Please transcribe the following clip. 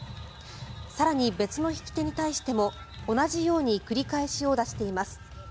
更に、別の引き手に対しても同じように繰り返し殴打しています。